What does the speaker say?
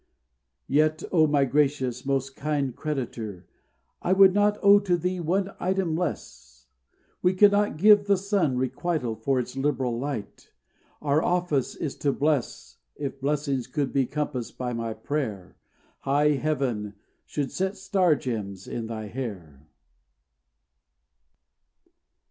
Yet, O my gracious, most kind creditor, I would not owe to thee one item less We cannot give the sun requital for Its liberal light; our office is to bless. If blessings could be compassed by my prayer, High heaven should set star gems in thy hair.